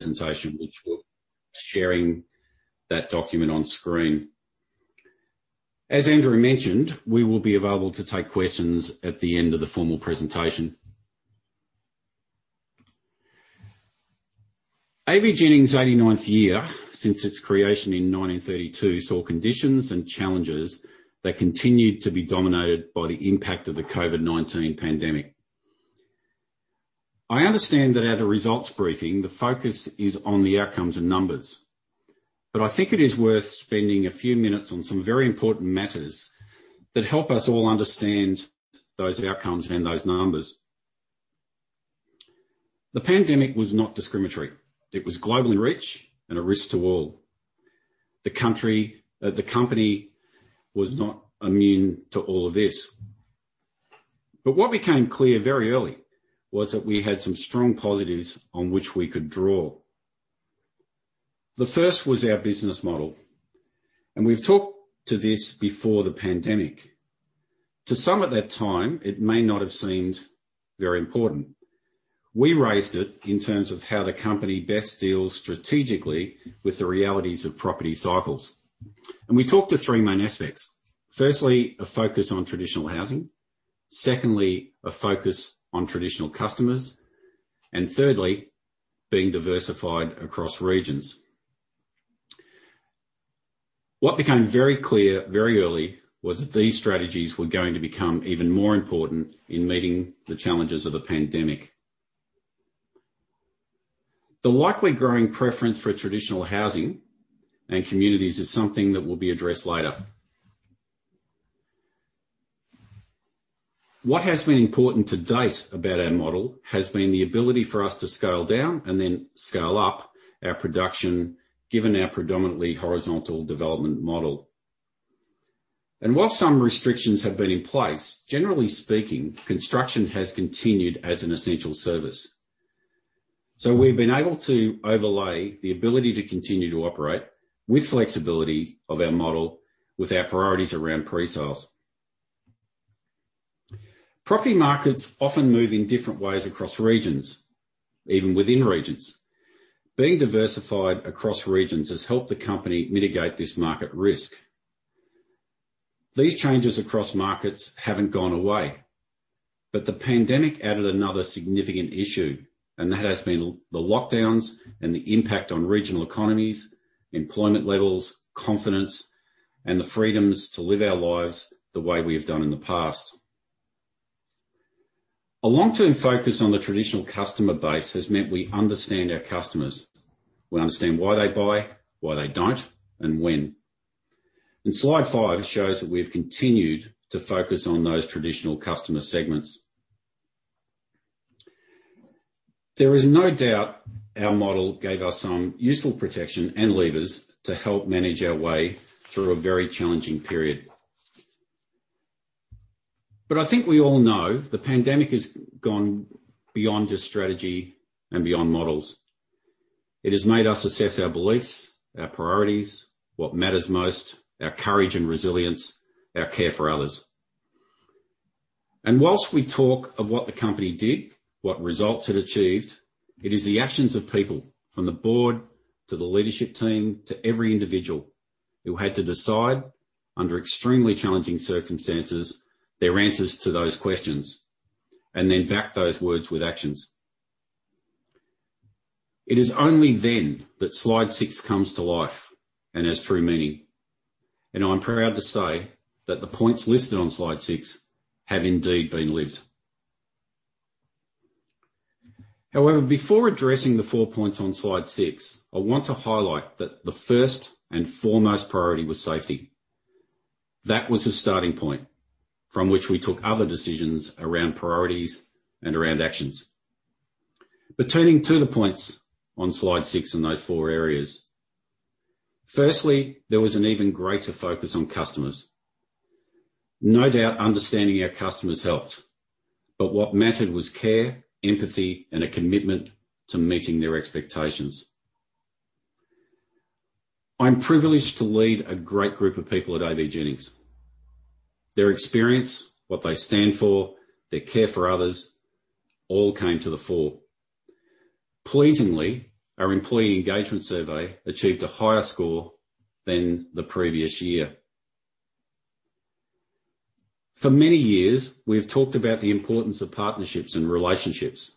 Presentation, which we're sharing that document on screen. As Andrew mentioned, we will be available to take questions at the end of the formal presentation. AVJennings' 89th year since its creation in 1932, saw conditions and challenges that continued to be dominated by the impact of the COVID-19 pandemic. I understand that at a results briefing, the focus is on the outcomes and numbers, but I think it is worth spending a few minutes on some very important matters that help us all understand those outcomes and those numbers. The pandemic was not discriminatory. It was globally reach and a risk to all. The company was not immune to all of this. What became clear very early was that we had some strong positives on which we could draw. The first was our business model, and we've talked to this before the pandemic. To some at that time, it may not have seemed very important. We raised it in terms of how the company best deals strategically with the realities of property cycles. We talked to 3 main aspects. Firstly, a focus on traditional housing. Secondly, a focus on traditional customers. Thirdly, being diversified across regions. What became very clear very early was that these strategies were going to become even more important in meeting the challenges of the pandemic. The likely growing preference for traditional housing and communities is something that will be addressed later. What has been important to date about our model has been the ability for us to scale down and then scale up our production, given our predominantly horizontal development model. While some restrictions have been in place, generally speaking, construction has continued as an essential service. We've been able to overlay the ability to continue to operate with flexibility of our model, with our priorities around pre-sales. Property markets often move in different ways across regions, even within regions. Being diversified across regions has helped the company mitigate this market risk. These changes across markets haven't gone away, but the pandemic added another significant issue, and that has been the lockdowns and the impact on regional economies, employment levels, confidence, and the freedoms to live our lives the way we have done in the past. A long-term focus on the traditional customer base has meant we understand our customers. We understand why they buy, why they don't, and when. Slide 5 shows that we've continued to focus on those traditional customer segments. There is no doubt our model gave us some useful protection and levers to help manage our way through a very challenging period. I think we all know the pandemic has gone beyond just strategy and beyond models. It has made us assess our beliefs, our priorities, what matters most, our courage and resilience, our care for others. Whilst we talk of what the company did, what results it achieved, it is the actions of people from the board to the leadership team, to every individual who had to decide under extremely challenging circumstances, their answers to those questions, and then back those words with actions. It is only then that slide six comes to life and has true meaning, and I'm proud to say that the points listed on slide six have indeed been lived. Before addressing the four points on slide six, I want to highlight that the first and foremost priority was safety. That was the starting point from which we took other decisions around priorities and around actions. Turning to the points on slide six in those four areas. Firstly, there was an even greater focus on customers. No doubt, understanding our customers helped, but what mattered was care, empathy, and a commitment to meeting their expectations. I'm privileged to lead a great group of people at AVJennings. Their experience, what they stand for, their care for others, all came to the fore. Pleasingly, our employee engagement survey achieved a higher score than the previous year. For many years, we've talked about the importance of partnerships and relationships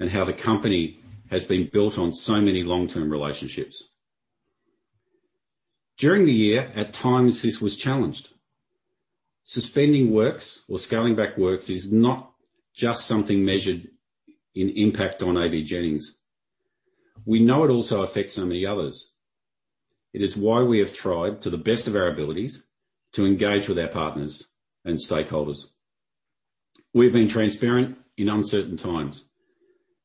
and how the company has been built on so many long-term relationships. During the year, at times this was challenged. Suspending works or scaling back works is not just something measured in impact on AVJennings. We know it also affects so many others. It is why we have tried to the best of our abilities to engage with our partners and stakeholders. We've been transparent in uncertain times,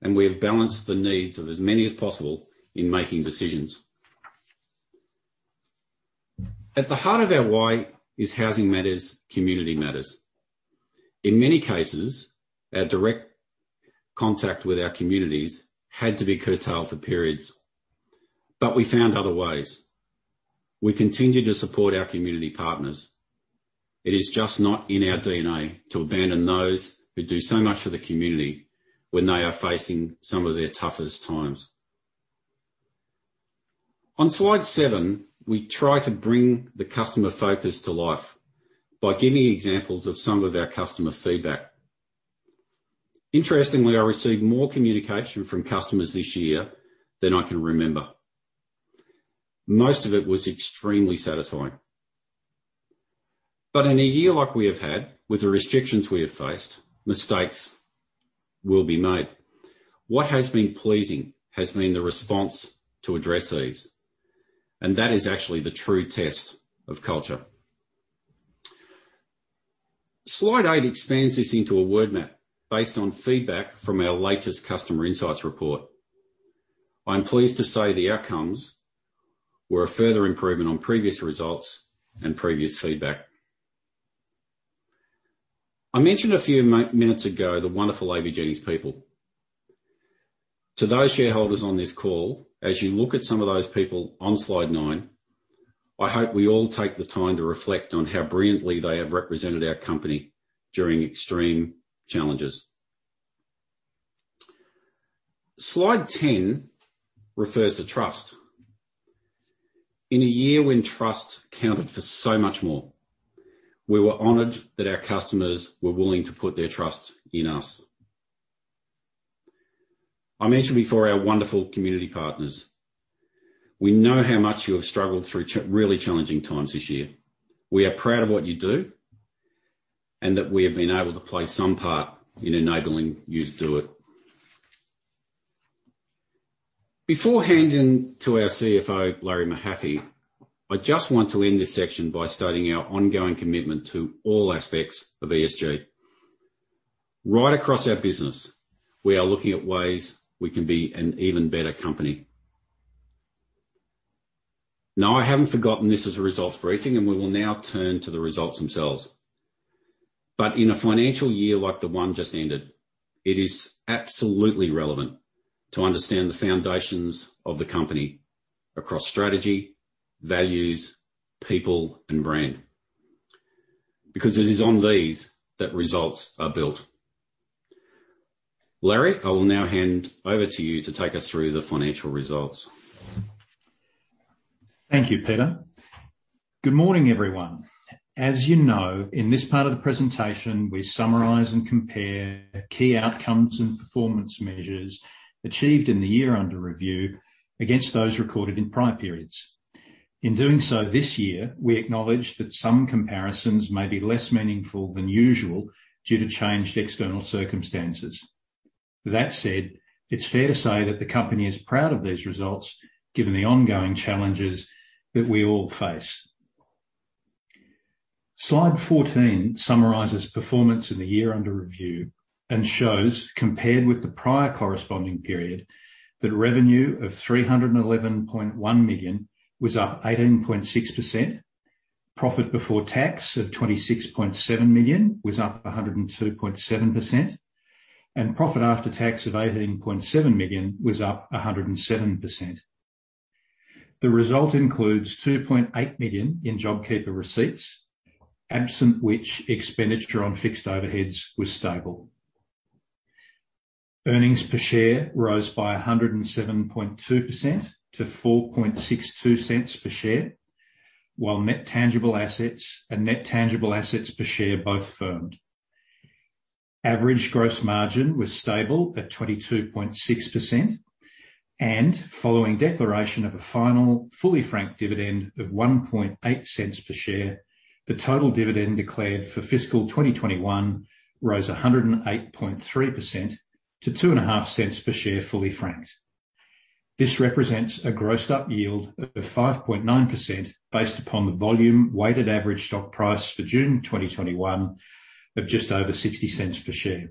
and we have balanced the needs of as many as possible in making decisions. At the heart of our why is housing matters, community matters. In many cases, our direct contact with our communities had to be curtailed for periods. We found other ways. We continue to support our community partners. It is just not in our DNA to abandon those who do so much for the community when they are facing some of their toughest times. On slide seven, we try to bring the customer focus to life by giving examples of some of our customer feedback. Interestingly, I received more communication from customers this year than I can remember. Most of it was extremely satisfying. In a year like we have had, with the restrictions we have faced, mistakes will be made. What has been pleasing has been the response to address these, and that is actually the true test of culture. Slide eight expands this into a word map based on feedback from our latest customer insights report. I'm pleased to say the outcomes were a further improvement on previous results and previous feedback. I mentioned a few minutes ago the wonderful AVJennings people. To those shareholders on this call, as you look at some of those people on slide nine, I hope we all take the time to reflect on how brilliantly they have represented our company during extreme challenges. Slide 10 refers to trust. In a year when trust counted for so much more, we were honored that our customers were willing to put their trust in us. I mentioned before our wonderful community partners. We know how much you have struggled through really challenging times this year. We are proud of what you do and that we have been able to play some part in enabling you to do it. Before handing to our CFO, Larry Mahaffy, I just want to end this section by stating our ongoing commitment to all aspects of ESG. Right across our business, we are looking at ways we can be an even better company. Now, I haven't forgotten this is a results briefing, and we will now turn to the results themselves. In a financial year like the one just ended, it is absolutely relevant to understand the foundations of the company across strategy, values, people, and brand. It is on these that results are built. Larry, I will now hand over to you to take us through the financial results. Thank you, Peter. Good morning, everyone. As you know, in this part of the presentation, we summarize and compare key outcomes and performance measures achieved in the year under review against those recorded in prior periods. In doing so this year, we acknowledge that some comparisons may be less meaningful than usual due to changed external circumstances. That said, it's fair to say that the company is proud of these results, given the ongoing challenges that we all face. Slide 14 summarizes performance in the year under review and shows, compared with the prior corresponding period, that revenue of 311.1 million was up 18.6%, profit before tax of 26.7 million was up 102.7%, and profit after tax of 18.7 million was up 107%. The result includes 2.8 million in JobKeeper receipts, absent which expenditure on fixed overheads was stable. Earnings per share rose by 107.2% to 0.0462 per share, while net tangible assets and net tangible assets per share both firmed. Average gross margin was stable at 22.6%, and following declaration of a final fully franked dividend of 0.018 per share, the total dividend declared for fiscal 2021 rose 108.3% to 0.025 per share fully franked. This represents a grossed-up yield of 5.9% based upon the volume weighted average stock price for June 2021 of just over 0.60 per share.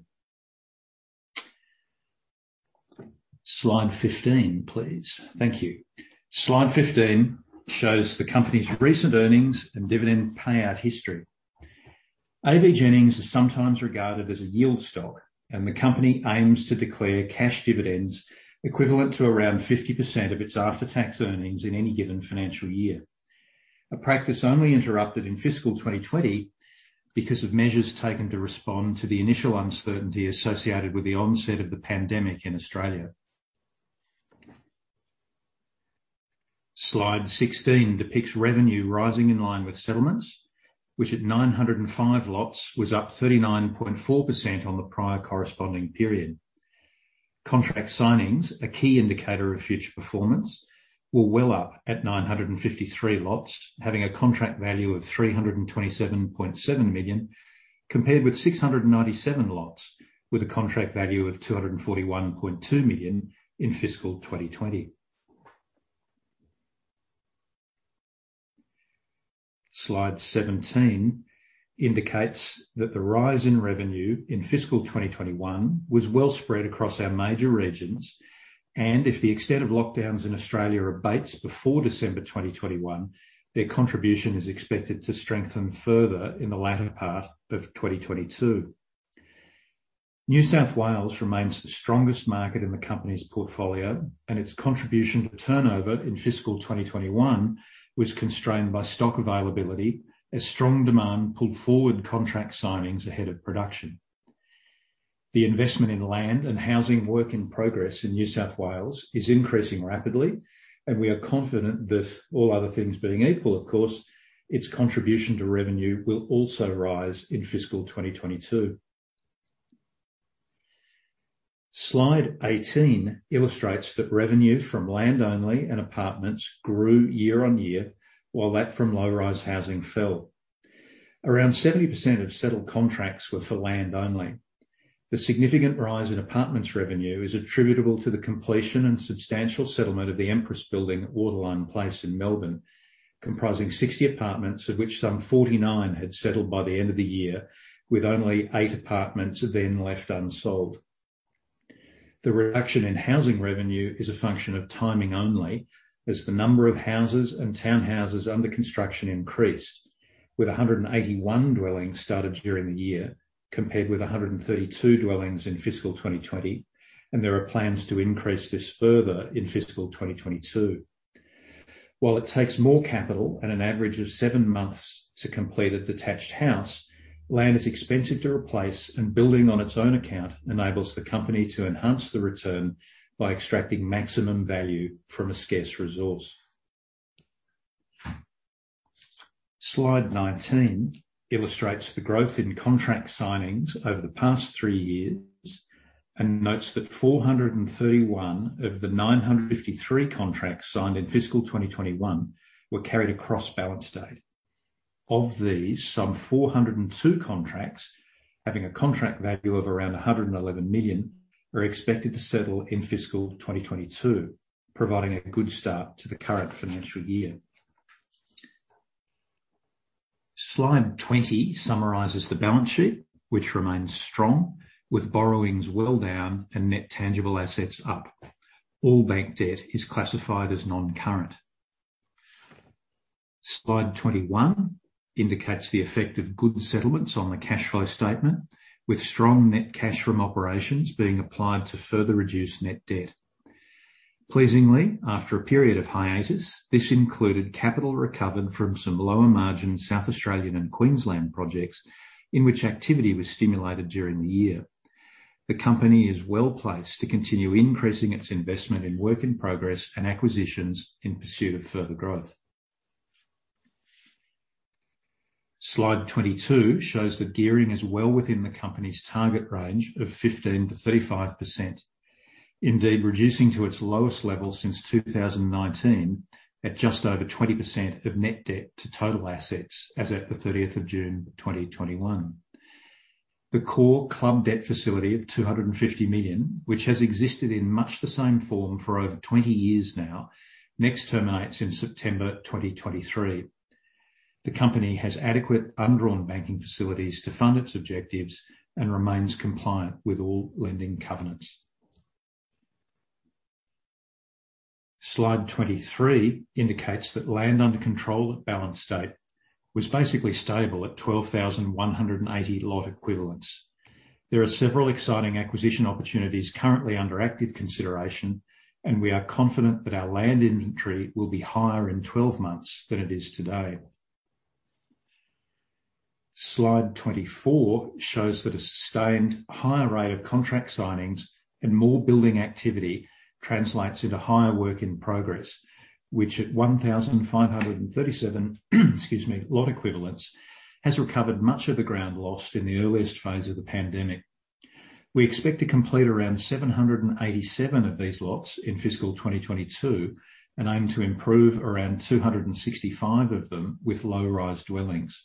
Slide 15, please. Thank you. Slide 15 shows the company's recent earnings and dividend payout history. AVJennings is sometimes regarded as a yield stock, and the company aims to declare cash dividends equivalent to around 50% of its after-tax earnings in any given financial year. A practice only interrupted in fiscal 2020 because of measures taken to respond to the initial uncertainty associated with the onset of the pandemic in Australia. Slide 16 depicts revenue rising in line with settlements, which at 905 lots was up 39.4% on the prior corresponding period. Contract signings, a key indicator of future performance, were well up at 953 lots, having a contract value of 327.7 million, compared with 697 lots with a contract value of 241.2 million in fiscal 2020. Slide 17 indicates that the rise in revenue in fiscal 2021 was well spread across our major regions, and if the extent of lockdowns in Australia abates before December 2021, their contribution is expected to strengthen further in the latter part of 2022. New South Wales remains the strongest market in the company's portfolio, and its contribution to turnover in fiscal 2021 was constrained by stock availability, as strong demand pulled forward contract signings ahead of production. The investment in land and housing work in progress in New South Wales is increasing rapidly, and we are confident that, all other things being equal, of course, its contribution to revenue will also rise in fiscal 2022. Slide 18 illustrates that revenue from land only and apartments grew year-on-year, while that from low-rise housing fell. Around 70% of settled contracts were for land only. The significant rise in apartments revenue is attributable to the completion and substantial settlement of the Empress building at Waterline Place in Melbourne, comprising 60 apartments, of which some 49 had settled by the end of the year, with only eight apartments then left unsold. The reduction in housing revenue is a function of timing only, as the number of houses and townhouses under construction increased, with 181 dwellings started during the year, compared with 132 dwellings in fiscal 2020, and there are plans to increase this further in fiscal 2022. While it takes more capital and an average of seven months to complete a detached house, land is expensive to replace, and building on its own account enables the company to enhance the return by extracting maximum value from a scarce resource. Slide 19 illustrates the growth in contract signings over the past three years and notes that 431 of the 953 contracts signed in fiscal 2021 were carried across balance date. Of these, some 402 contracts, having a contract value of around 111 million, are expected to settle in fiscal 2022, providing a good start to the current financial year. Slide 20 summarizes the balance sheet, which remains strong, with borrowings well down and Net Tangible Assets up. All bank debt is classified as non-current. Slide 21 indicates the effect of good settlements on the cash flow statement, with strong net cash from operations being applied to further reduce net debt. Pleasingly, after a period of hiatus, this included capital recovered from some lower-margin South Australian and Queensland projects in which activity was stimulated during the year. The company is well-placed to continue increasing its investment in work in progress and acquisitions in pursuit of further growth. Slide 22 shows that gearing is well within the company's target range of 15%-35%. Indeed, reducing to its lowest level since 2019 at just over 20% of net debt to total assets as at the 30th of June 2021. The core club debt facility of 250 million, which has existed in much the same form for over 20 years now, next terminates in September 2023. The company has adequate undrawn banking facilities to fund its objectives and remains compliant with all lending covenants. Slide 23 indicates that land under control at balance date was basically stable at 12,180 lot equivalents. There are several exciting acquisition opportunities currently under active consideration, and we are confident that our land inventory will be higher in 12 months than it is today. Slide 24 shows that a sustained higher rate of contract signings and more building activity translates into higher work in progress, which at 1,537 lot equivalents, has recovered much of the ground lost in the earliest phase of the pandemic. We expect to complete around 787 of these lots in fiscal 2022 and aim to improve around 265 of them with low-rise dwellings.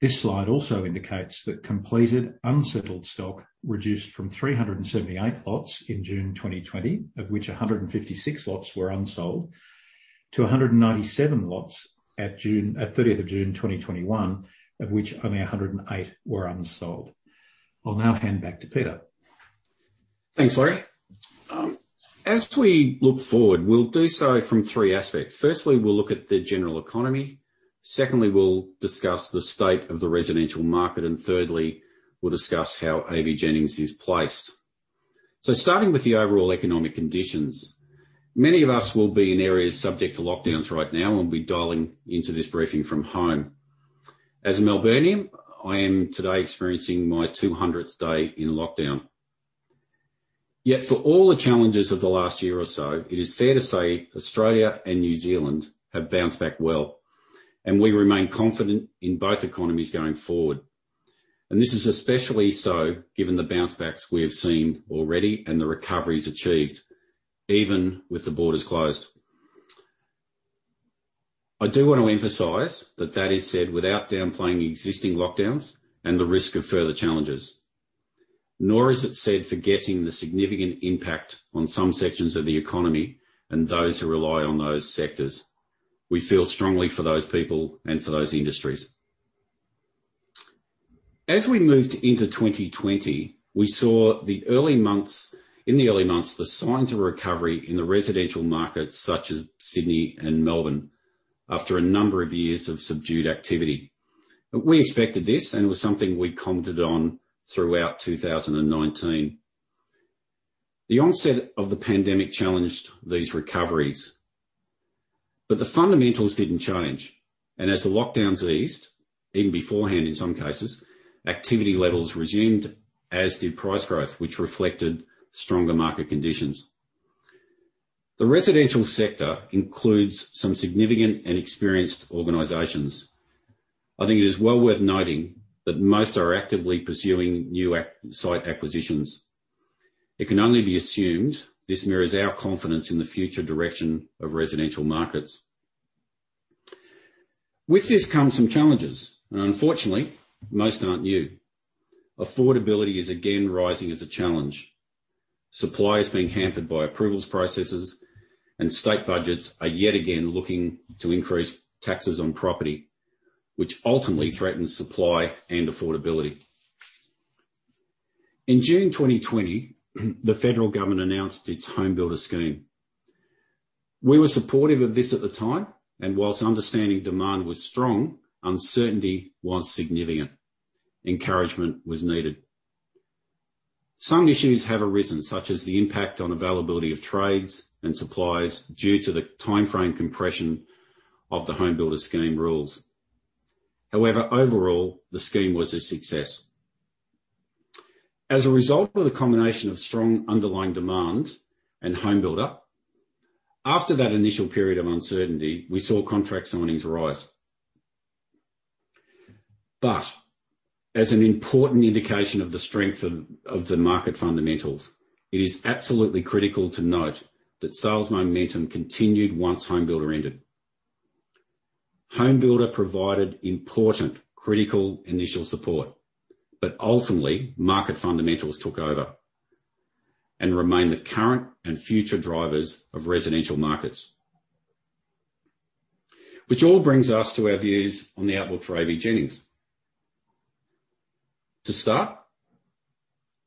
This slide also indicates that completed unsettled stock reduced from 378 lots in June 2020, of which 156 lots were unsold, to 197 lots at 30th of June 2021, of which only 108 were unsold. I'll now hand back to Peter. Thanks, Larry. As we look forward, we'll do so from three aspects. Firstly, we'll look at the general economy. Secondly, we'll discuss the state of the residential market. Thirdly, we'll discuss how AVJennings is placed. Starting with the overall economic conditions, many of us will be in areas subject to lockdowns right now and will be dialing into this briefing from home. As a Melburnian, I am today experiencing my 200th day in lockdown. For all the challenges of the last year or so, it is fair to say Australia and New Zealand have bounced back well, and we remain confident in both economies going forward. This is especially so given the bounce backs we have seen already and the recoveries achieved, even with the borders closed. I do want to emphasize that that is said without downplaying existing lockdowns and the risk of further challenges, nor is it said forgetting the significant impact on some sections of the economy and those who rely on those sectors. We feel strongly for those people and for those industries. As we moved into 2020, we saw in the early months, the signs of recovery in the residential markets such as Sydney and Melbourne after a number of years of subdued activity. It was something we commented on throughout 2019. The onset of the pandemic challenged these recoveries. The fundamentals didn't change and as the lockdowns eased, even beforehand in some cases, activity levels resumed, as did price growth, which reflected stronger market conditions. The residential sector includes some significant and experienced organizations. I think it is well worth noting that most are actively pursuing new site acquisitions. It can only be assumed this mirrors our confidence in the future direction of residential markets. With this comes some challenges, and unfortunately, most aren't new. Affordability is again rising as a challenge. Supply is being hampered by approvals processes, and state budgets are yet again looking to increase taxes on property, which ultimately threatens supply and affordability. In June 2020, the federal government announced its HomeBuilder scheme. We were supportive of this at the time, and whilst understanding demand was strong, uncertainty was significant. Encouragement was needed. Some issues have arisen, such as the impact on availability of trades and supplies due to the timeframe compression of the HomeBuilder scheme rules. However, overall, the scheme was a success. As a result of the combination of strong underlying demand and HomeBuilder, after that initial period of uncertainty, we saw contract signings rise. As an important indication of the strength of the market fundamentals, it is absolutely critical to note that sales momentum continued once HomeBuilder ended. HomeBuilder provided important, critical initial support, but ultimately, market fundamentals took over and remain the current and future drivers of residential markets. Which all brings us to our views on the outlook for AVJennings. To start,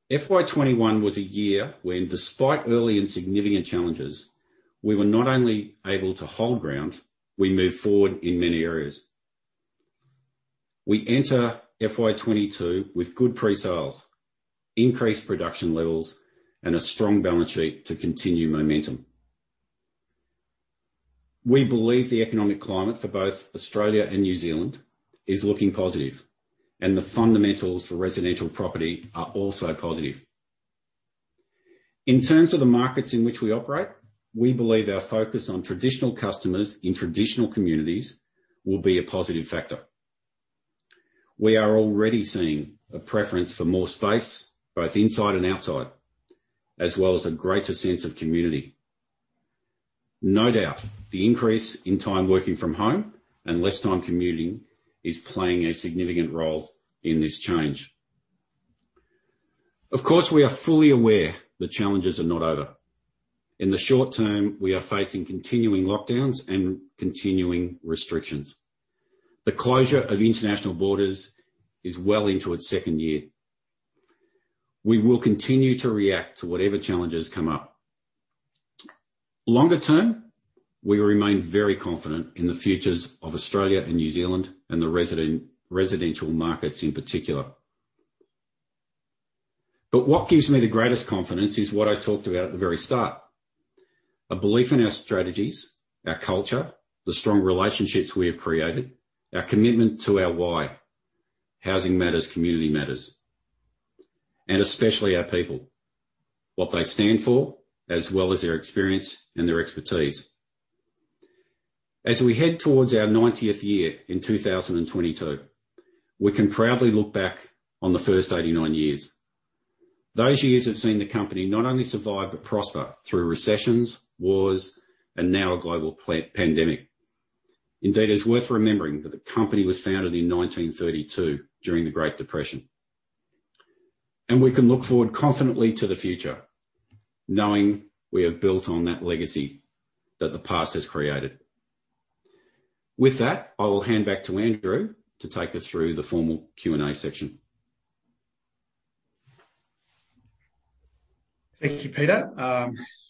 FY 2021 was a year when despite early and significant challenges, we were not only able to hold ground, we moved forward in many areas. We enter FY 2022 with good pre-sales, increased production levels, and a strong balance sheet to continue momentum. We believe the economic climate for both Australia and New Zealand is looking positive, and the fundamentals for residential property are also positive. In terms of the markets in which we operate, we believe our focus on traditional customers in traditional communities will be a positive factor. We are already seeing a preference for more space, both inside and outside, as well as a greater sense of community. No doubt, the increase in time working from home and less time commuting is playing a significant role in this change. Of course, we are fully aware the challenges are not over. In the short term, we are facing continuing lockdowns and continuing restrictions. The closure of international borders is well into its second year. We will continue to react to whatever challenges come up. Longer term, we remain very confident in the futures of Australia and New Zealand and the residential markets in particular. What gives me the greatest confidence is what I talked about at the very start, a belief in our strategies, our culture, the strong relationships we have created, our commitment to our why, housing matters, community matters, and especially our people, what they stand for, as well as their experience and their expertise. As we head towards our 90th year in 2022, we can proudly look back on the first 89 years. Those years have seen the company not only survive but prosper through recessions, wars, and now a global pandemic. Indeed, it's worth remembering that the company was founded in 1932 during the Great Depression. We can look forward confidently to the future knowing we have built on that legacy that the past has created. With that, I will hand back to Andrew to take us through the formal Q&A section. Thank you, Peter.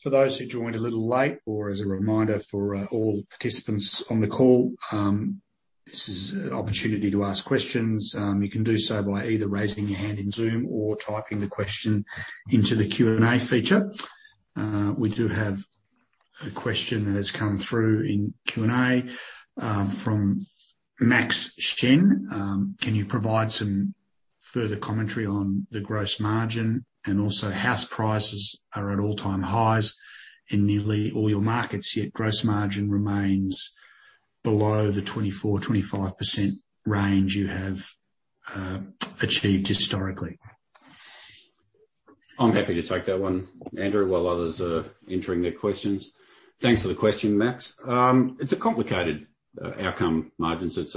For those who joined a little late or as a reminder for all participants on the call, this is an opportunity to ask questions. You can do so by either raising your hand in Zoom or typing the question into the Q&A feature. We do have a question that has come through in Q&A from Max Shen. "Can you provide some further commentary on the gross margin? Also, house prices are at all-time highs in nearly all your markets, yet gross margin remains below the 24%-25% range you have achieved historically. I'm happy to take that one, Andrew, while others are entering their questions. Thanks for the question, Max. It's a complicated outcome, margins. There's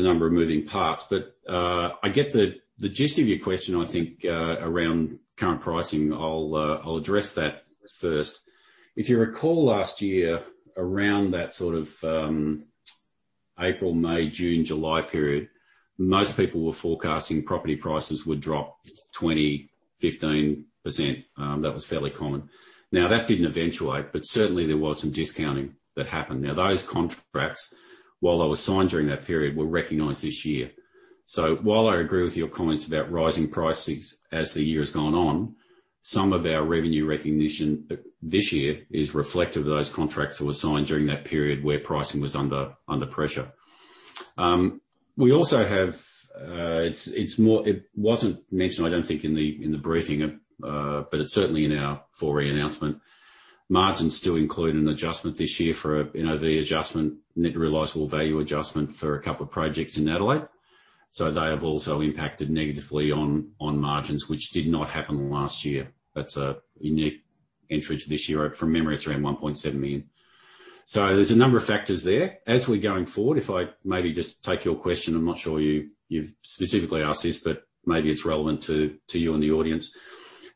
a number of moving parts. I get the gist of your question, I think, around current pricing. I'll address that first. If you recall last year, around that April, May, June, July period, most people were forecasting property prices would drop 20%, 15%. That was fairly common. That didn't eventuate, but certainly there was some discounting that happened. Those contracts, while they were signed during that period, were recognized this year. While I agree with your comments about rising prices as the year has gone on, some of our revenue recognition this year is reflective of those contracts that were signed during that period where pricing was under pressure. It wasn't mentioned, I don't think, in the briefing, but it's certainly in our 4E announcement. Margins still include an adjustment this year for the net realizable value adjustment for a couple of projects in Adelaide. They have also impacted negatively on margins, which did not happen last year. That's a unique entry to this year. From memory, it's around 1.7 million. There's a number of factors there. As we're going forward, if I maybe just take your question, I'm not sure you've specifically asked this, but maybe it's relevant to you and the audience.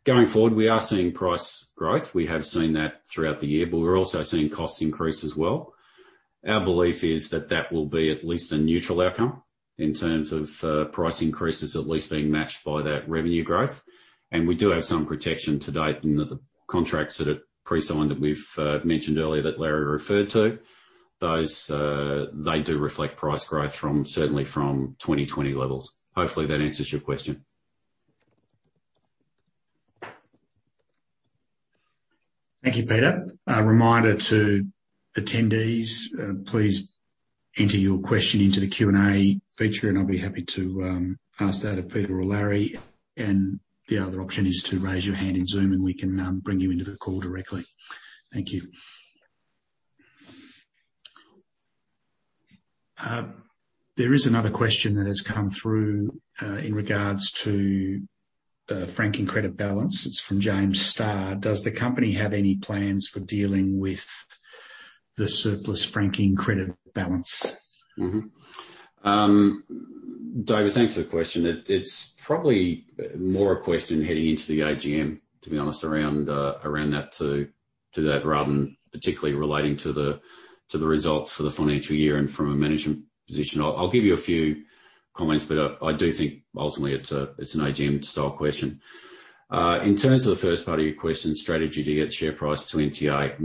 Going forward, we are seeing price growth. We have seen that throughout the year, but we're also seeing costs increase as well. Our belief is that that will be at least a neutral outcome in terms of price increases at least being matched by that revenue growth. We do have some protection to date in that the contracts that are pre-signed that we've mentioned earlier, that Larry referred to. They do reflect price growth certainly from 2020 levels. Hopefully, that answers your question. Thank you, Peter. A reminder to attendees, please enter your question into the Q&A feature and I'll be happy to ask that of Peter or Larry. The other option is to raise your hand in Zoom, and we can bring you into the call directly. Thank you. There is another question that has come through in regards to the franking credit balance. It's from James Starr. Does the company have any plans for dealing with the surplus franking credit balance? David, thanks for the question. It's probably more a question heading into the AGM, to be honest, around that too, to that, rather than particularly relating to the results for the financial year and from a management position. I'll give you a few comments, but I do think ultimately it's an AGM-style question. In terms of the first part of your question, strategy to get share price to NTA.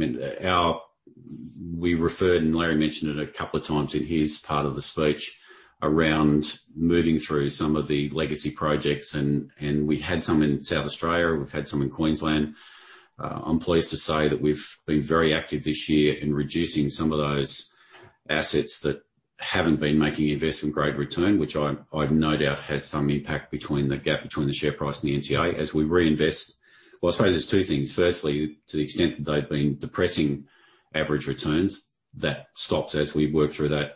We referred, and Larry mentioned it two times in his part of the speech, around moving through some of the legacy projects, and we had some in South Australia, we've had some in Queensland. I'm pleased to say that we've been very active this year in reducing some of those assets that haven't been making investment-grade return, which I've no doubt has some impact between the gap between the share price and the NTA as we reinvest. Well, I suppose there's two things. Firstly, to the extent that they've been depressing average returns, that stops as we work through that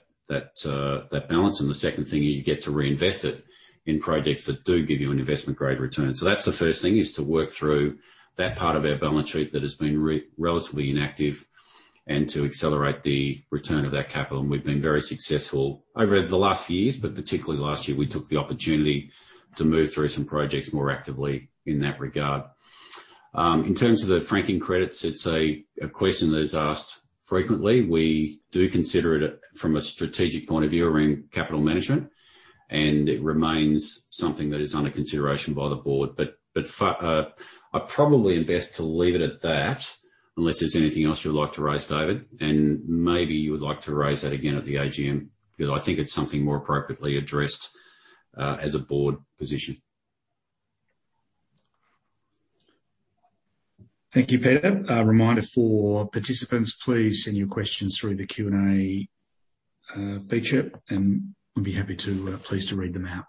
balance. The second thing, you get to reinvest it in projects that do give you an investment-grade return. That's the first thing, is to work through that part of our balance sheet that has been relatively inactive and to accelerate the return of that capital. We've been very successful over the last few years, but particularly last year, we took the opportunity to move through some projects more actively in that regard. In terms of the franking credits, it's a question that is asked frequently. We do consider it from a strategic point of view around capital management, and it remains something that is under consideration by the board. I probably am best to leave it at that unless there's anything else you would like to raise, David. Maybe you would like to raise that again at the AGM because I think it's something more appropriately addressed as a board position. Thank you, Peter. A reminder for participants, please send your questions through the Q&A feature, and we'll be pleased to read them out.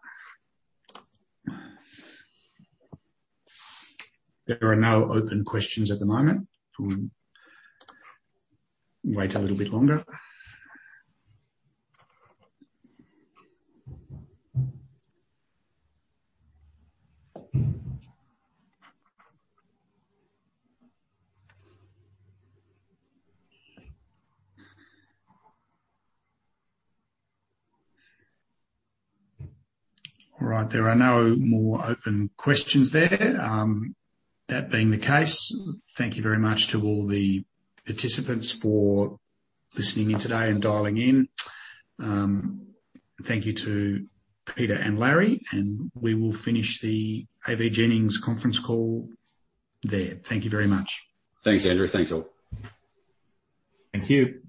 There are no open questions at the moment. We'll wait a little bit longer. All right. There are no more open questions there. That being the case, thank you very much to all the participants for listening in today and dialing in. Thank you to Peter and Larry, and we will finish the AVJennings conference call there. Thank you very much. Thanks, Andrew. Thanks, all. Thank you.